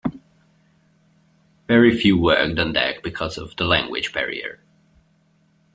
Very few worked on deck because of the language barrier.